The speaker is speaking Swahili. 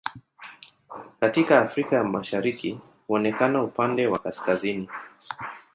Katika Afrika ya Mashariki huonekana upande wa kaskazini.